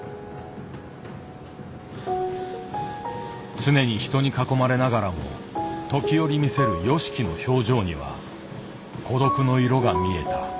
常に人に囲まれながらも時折見せるＹＯＳＨＩＫＩの表情には孤独の色が見えた。